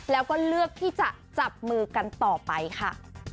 แล้วก็เลือกที่จะจับมือกันต่อไปค่ะ